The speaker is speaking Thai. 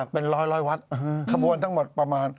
เป็นร้อยวัดขบวนทั้งหมดประมาณ